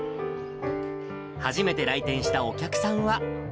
初めて来店したお客さんは。